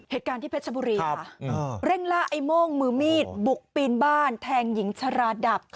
เหตุการณ์ที่เพชรบุรีค่ะเร่งล่าไอ้โม่งมือมีดบุกปีนบ้านแทงหญิงชราดับ